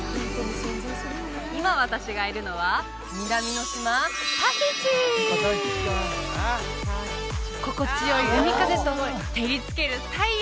今私がいるのは心地よい海風と照りつける太陽